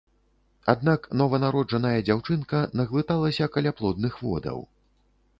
Аднак нованароджаная дзяўчынка наглыталася каляплодных водаў.